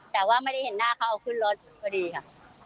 แต่ว่าไม่ได้เห็นหน้าเขาเอาขึ้นรถพอดีค่ะ